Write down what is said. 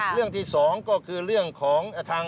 เรื่องที่สองก็คือเรื่องของทาง